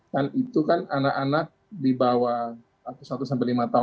dan itu kan anak anak di bawah satu lima tahun itu